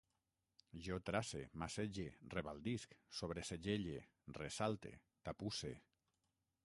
Jo trace, macege, rebaldisc, sobresegelle, ressalte, tapusse